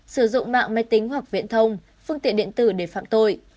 sử dụng mạng máy tính hoặc viện thông phương tiện điện tử để phạm tội